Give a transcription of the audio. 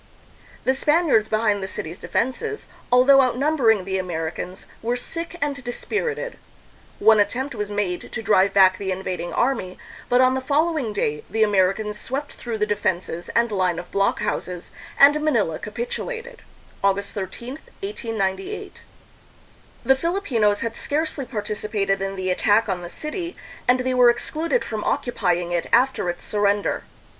The Spaniards behind the city's defenses, although outnumbering the Americans, were sick and dispirited. One attempt was made to drive back the invading army, but on the following day the Americans swept through the defenses and line of blockhouses, and Manila capitulated (August 13, 1898). The Filipinos had scarcely participated in the attack on the city, and they were excluded from occupying it after its surrender.